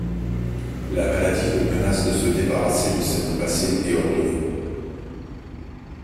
La maladie le menace de se débarrasser de sa vie passée et ordonnée.